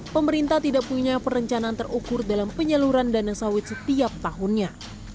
pemerintah tidak punya perencanaan terukur dalam penyaluran dana sawit setiap tahunnya